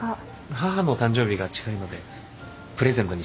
母の誕生日が近いのでプレゼントに食器でも。